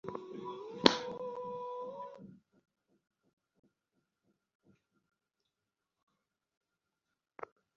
সৈন্যেরা কাল প্রভাতে যাত্রা করিবে।